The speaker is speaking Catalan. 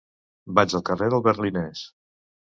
Vaig al carrer del Berlinès.